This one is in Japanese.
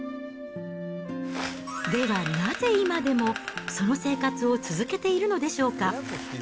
ではなぜ今でも、その生活を続けているのでしょうか。